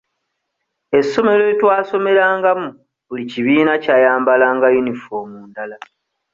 Essomero lye twasomerangamu buli kibiina kyayambalanga yuniform ndala.